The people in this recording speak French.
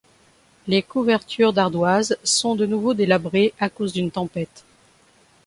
Les couvertures d'ardoises sont de nouveau délabrées à cause d'une tempête.